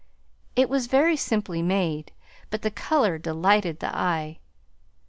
It was very simply made, but the color delighted the eye.